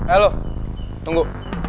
eh lo tunggu